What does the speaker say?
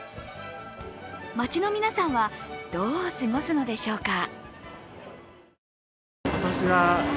街の皆さんはどう過ごすのでしょうか。